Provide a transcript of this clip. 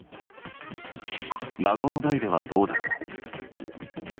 孫の代ではどうだろう？